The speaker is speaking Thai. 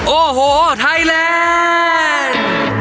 โอ้โหไทยแลนด์